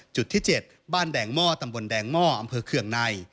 จุดที่๗บ้านแดงหม้อตำบลแดงหม้ออำเภอเคืองใน